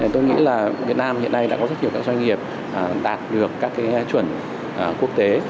tôi nghĩ là việt nam hiện nay đã có rất nhiều các doanh nghiệp đạt được các chuẩn quốc tế